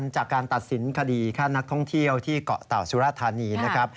จากการตัดสินคดีฆ่านักท่องเที่ยวที่เกาะเต่าสุรธานีนะครับ